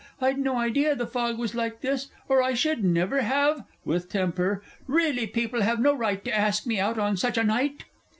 I'd no idea the fog was like this or I should never have (With temper.) Really, people have no right to ask one out on such a night.